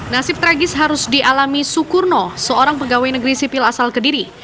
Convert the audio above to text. nasib tragis harus dialami sukurno seorang pegawai negeri sipil asal kediri